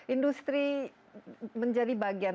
industri menjadi bagian